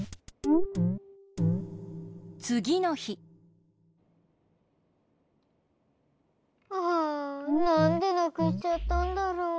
つぎのひはあなんでなくしちゃったんだろう。